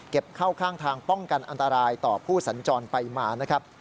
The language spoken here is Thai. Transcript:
เข้าข้างทางป้องกันอันตรายต่อผู้สัญจรไปมานะครับ